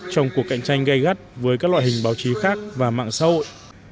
trong cuộc cạnh tranh gây gắt với các loại hình báo chí khác và mạng xã hội